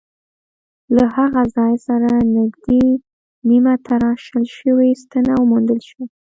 له هغه ځای سره نږدې نیمه تراشل شوې ستنه وموندل شوه.